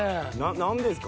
何でですか？